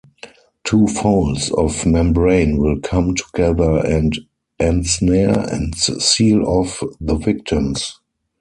Two folds of membrane will come together and ensnare and seal off the victims.